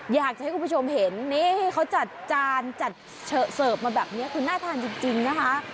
อยากจะให้คุณผู้ชมเห็นนี่ที่เขาจัดจานจัดเสิร์ฟมาแบบนี้คือน่าทานจริงนะคะ